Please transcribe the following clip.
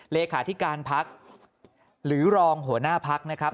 เลขาธิการพักหรือรองหัวหน้าพักนะครับ